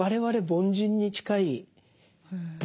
凡人に近い。